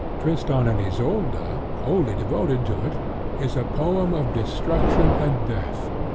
Tristan and Isolde, wholly devoted to it, is a poem of destruction and death.